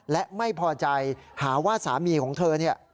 และไม่พอใจหาว่าสามีของเธอเนี่ย